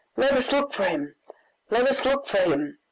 "Let us look for him! let us look for him!"